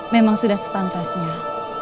memang sudah sepantasnya